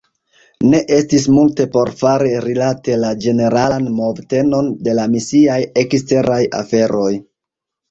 Ne estis multe por fari rilate la ĝeneralan movtenon de la misiaj eksteraj aferoj.